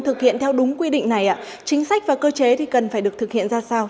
thực hiện theo đúng quy định này chính sách và cơ chế thì cần phải được thực hiện ra sao